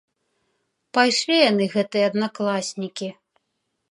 Пайшлі яны, гэтыя аднакласнікі.